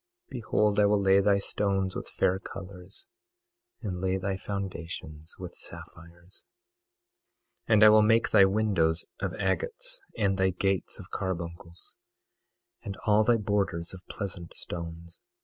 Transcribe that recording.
Behold, I will lay thy stones with fair colors, and lay thy foundations with sapphires. 22:12 And I will make thy windows of agates, and thy gates of carbuncles, and all thy borders of pleasant stones.